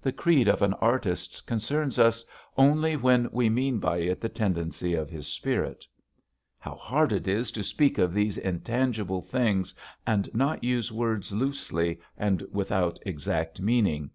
The creed of an artist concerns us only when we mean by it the tendency of his spirit. (How hard it is to speak of these intangible things and not use words loosely and without exact meaning.)